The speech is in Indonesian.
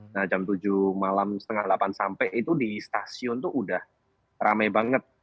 nah jam tujuh malam setengah delapan sampai itu di stasiun itu udah ramai banget